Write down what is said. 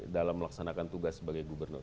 dalam melaksanakan tugas sebagai gubernur